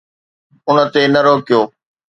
ان تي نه روڪيو.